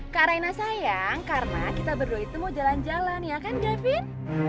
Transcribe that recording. kak raina sayang karena kita berdua itu mau jalan jalan ya kan gavin